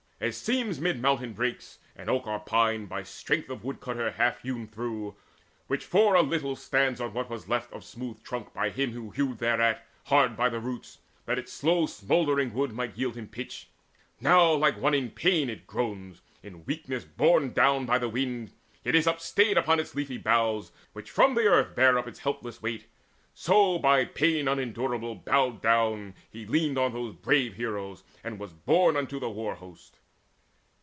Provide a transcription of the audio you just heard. As seems mid mountain brakes an oak or pine By strength of the woodcutter half hewn through, Which for a little stands on what was left Of the smooth trunk by him who hewed thereat Hard by the roots, that its slow smouldering wood Might yield him pitch now like to one in pain It groans, in weakness borne down by the wind, Yet is upstayed upon its leafy boughs Which from the earth bear up its helpless weight; So by pain unendurable bowed down Leaned he on those brave heroes, and was borne Unto the war host.